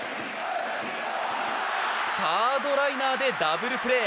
サードライナーでダブルプレー！